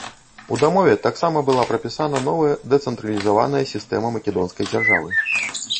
У дамове таксама была прапісана новая дэцэнтралізаваная сістэма македонскай дзяржавы.